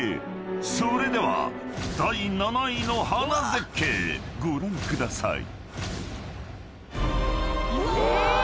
［それでは第７位の花絶景ご覧ください］うわ！